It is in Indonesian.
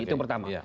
itu yang pertama